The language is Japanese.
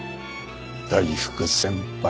大福先輩。